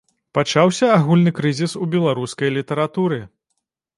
Пачаўся агульны крызіс у беларускай літаратуры.